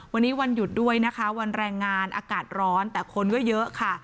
วันนี้วันหยุดด้วยนะคะวันแรงงานอากาศร้อนแต่คนก็เยอะค่ะ